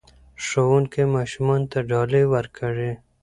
ښوونکي ماشومانو ته ډالۍ ورکړې.